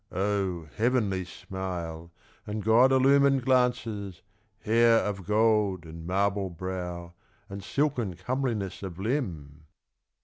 Oh, heavenly smile and god illumined glances, Hair of gold and marble brow. And silken comeliness of limb